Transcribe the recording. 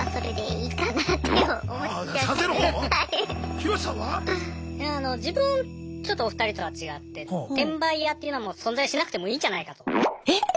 ヒロシさんは？いや自分ちょっとお二人とは違って転売ヤーっていうのはもう存在しなくてもいいんじゃないかと。